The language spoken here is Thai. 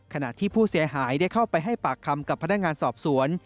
ขณะที่ผู้เสียหายได้เข้าไปให้ปากคำกับพนักงานสอบสวน